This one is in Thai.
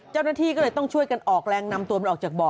เจ้าหน้าที่ก็เลยต้องช่วยกันออกแรงนำตัวมันออกจากบ่อ